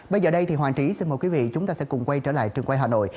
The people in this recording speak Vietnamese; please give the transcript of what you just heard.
bây giờ đây thì hoàng trí xin mời quý vị chúng ta sẽ cùng quay trở lại trường quay hà nội